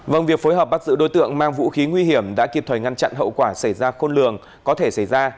vâng việc phối hợp bắt giữ đối tượng mang vũ khí nguy hiểm đã kịp thời ngăn chặn hậu quả xảy ra khôn lường có thể xảy ra